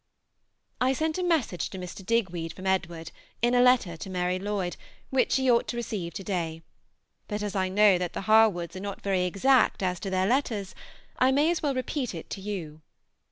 I sent a message to Mr. Digweed from Edward in a letter to Mary Lloyd which she ought to receive to day; but as I know that the Harwoods are not very exact as to their letters, I may as well repeat it to you.